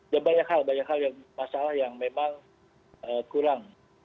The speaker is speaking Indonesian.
dan banyak hal banyak hal yang masalah yang memang kurang